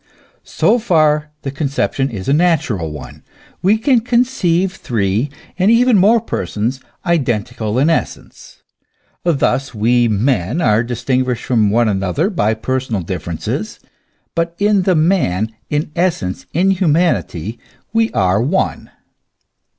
So far the concep tion is a natural one. We can conceive three and even more persons, identical in essence. Thus we men are distinguished from one another by personal differences, but in the main, in essence, in humanity, we are one.